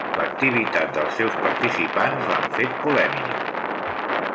L'activitat dels seus participants l'han fet polèmic.